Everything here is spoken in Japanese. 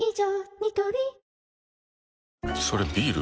ニトリそれビール？